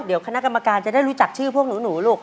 เดี๋ยวคณะกรรมการจะได้รู้จักชื่อพวกหนูลูก